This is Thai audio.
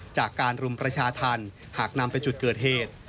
จากการรุมประชาธรรมหากนำไปจุดเกิดเหตุ